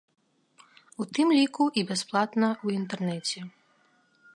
У тым ліку і бясплатна ў інтэрнэце.